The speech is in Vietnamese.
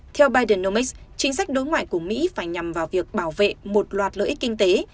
theo biden noix chính sách đối ngoại của mỹ phải nhằm vào việc bảo vệ một loạt lợi ích kinh tế